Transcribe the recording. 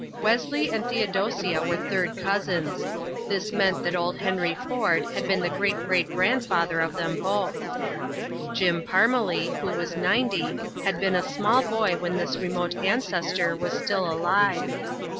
Wesley and Theodosia were third cousins; this meant that old Henry Ford had been the great great grandfather of them both. Jim Parmelee, who was ninety, had been a small boy when this remote ancestor was still alive.